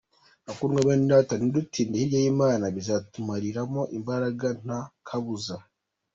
Bakundwa bene Data, nidutinda hirya y’Imana bizatumaramo imbaraga nta kabuza.